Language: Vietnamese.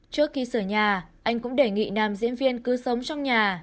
trước khi sửa nhà anh cũng đề nghị nam diễn viên cứ sống trong nhà